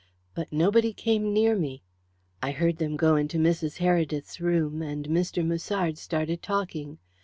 But nobody came near me. I heard them go into Mrs. Heredith's room, and Mr. Musard started talking.